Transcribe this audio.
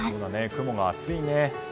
雲が厚いね。